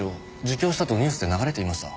自供したとニュースで流れていました。